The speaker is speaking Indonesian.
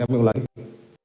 kami boleh menanyakan lagi